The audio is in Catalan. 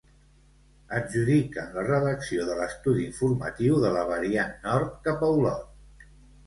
Adjudiquen la redacció de l'estudi informatiu de la variant nord cap a Olot.